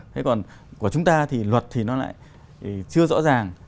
thế còn của chúng ta thì luật thì nó lại chưa rõ ràng